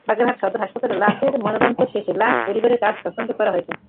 বাগেরহাট সদর হাসপাতালে লাশের ময়নাতদন্ত শেষে লাশ পরিবারের কাছে হস্তান্তর করা হয়েছে।